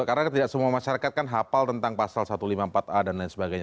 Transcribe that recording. karena tidak semua masyarakat kan hafal tentang pasal satu ratus lima puluh empat a dan lain sebagainya